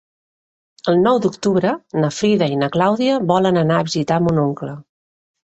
El nou d'octubre na Frida i na Clàudia volen anar a visitar mon oncle.